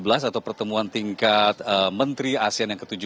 atau pertemuan tingkat menteri asean yang ke tujuh belas